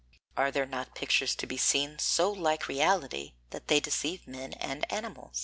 Are there not pictures to be seen so like reality that they deceive men and animals?